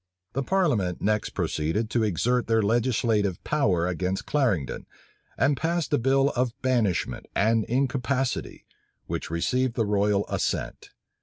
The parliament next proceeded to exert their legislative power against Clarendon, and passed a bill of banishment and incapacity, which received the royal assent.